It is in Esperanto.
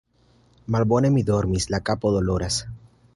Malbone mi dormis, la kapo doloras.